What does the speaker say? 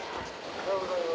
おはようございます。